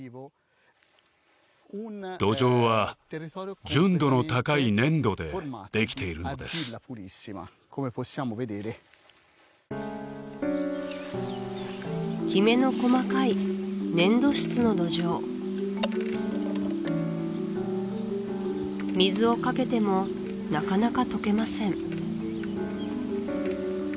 土壌は純度の高い粘土でできているのですキメの細かい粘土質の土壌水をかけてもなかなか溶けません